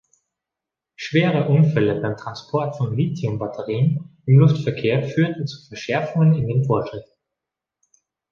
Schwere Unfälle beim Transport von Lithiumbatterien im Luftverkehr führten zu Verschärfungen in den Vorschriften.